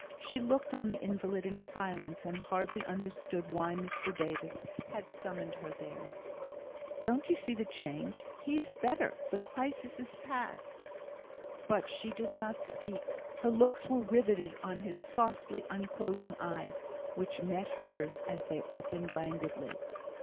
She looked on the invalid in silence, and hardly understood why Mr Davis had summoned her there. "Don't you see the change? He is better! the crisis is past!" But she did not speak; her looks were riveted on his softly unclosing eyes, which met hers as they opened languidly.